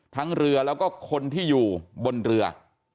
ทั้งเรือแล้วก็คนที่อยู่บนเรือ